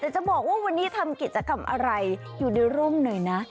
จะบอกว่าวันนี้ทำกิจกรรมอะไรอยู่ในร่มหน่อยนะ